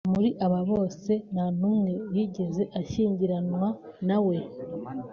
muri aba bose nta n’umwe yigeze ashyingiranwa na we